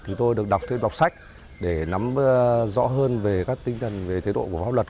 chúng tôi được đọc thêm đọc sách để nắm rõ hơn về các tinh thần về chế độ của pháp luật